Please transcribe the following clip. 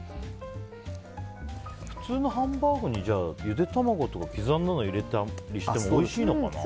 普通のハンバーグにゆで卵とか刻んだのを入れたりしてもおいしいのかな。